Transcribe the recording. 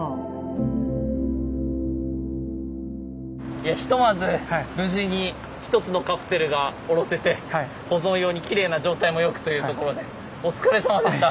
いやひとまず無事に１つのカプセルが下ろせて保存用にきれいな状態もよくというところでお疲れさまでした。